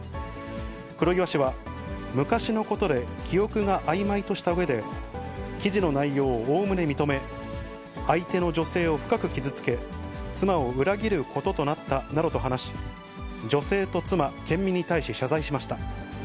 黒岩氏は、昔のことで記憶があいまいとしたうえで、記事の内容をおおむね認め、相手の女性を深く傷つけ、妻を裏切ることとなったなどと話し、女性と妻、県民に対し謝罪しました。